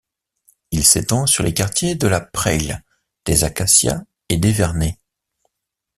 Il s'étend sur les quartiers de La Praille, des Acacias et des Vernets.